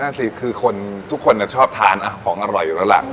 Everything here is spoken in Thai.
แน่นอนสิคือทุกคนชอบทานอาหารอร่อยอยู่แล้วล่ะ